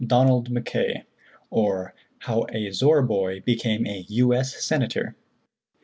DONALD MACKAY; OR, HOW A ZORRA BOY BECAME A U. S. SENATOR.